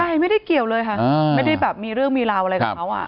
ใช่ไม่ได้เกี่ยวเลยค่ะไม่ได้แบบมีเรื่องมีราวอะไรกับเขาอ่ะ